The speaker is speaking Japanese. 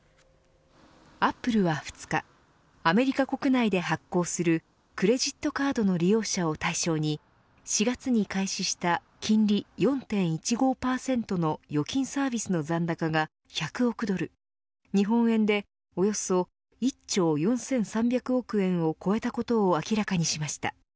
アップルは２日アメリカ国内で発行するクレジットカードの利用者を対象に４月に開始した金利４．１５％の預金サービスの残高が１００億ドル日本円でおよそ１兆４３００億円を超えたことを明らかにしました。